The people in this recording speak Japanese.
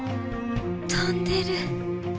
飛んでる。